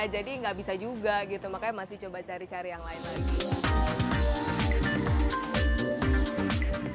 jadi nggak bisa juga gitu makanya masih coba cari cari yang lain lagi